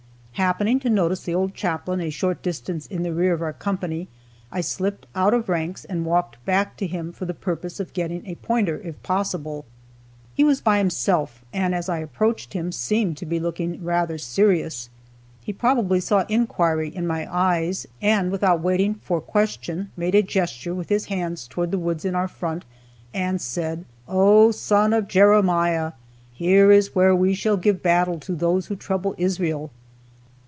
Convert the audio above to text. Happening to notice the old chaplain a short distance in the rear of our company, I slipped out of ranks, and walked back to him for the purpose of getting a pointer, if possible. He was by himself, and as I approached him, seemed to be looking rather serious. He probably saw inquiry in my eyes, and without waiting for question made a gesture with his hands towards the woods in our front, and said, "O Son of Jeremiah! Here is where we shall give battle to those who trouble Israel!"